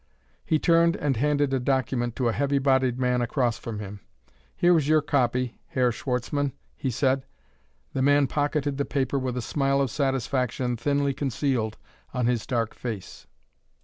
He turned and handed a document to a heavy bodied man across from him. "Here is your copy, Herr Schwartzmann," he said. The man pocketed the paper with a smile of satisfaction thinly concealed on his dark face.